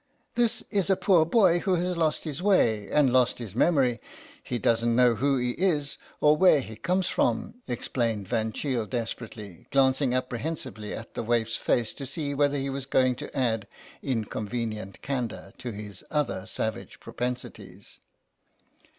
" This is a poor boy who has lost his way — and lost his memory. He doesn't know who he is or where he comes from," explained Van GABRIEL ERNEST 55 Cheele desperately, glancing apprehensively at the waifs face to see whether he was going to add inconvenient candour to his other savage propensities.